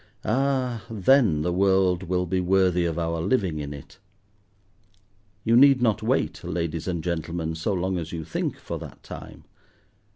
Ah, then the world will be worthy of our living in it. You need not wait, ladies and gentlemen, so long as you think for that time.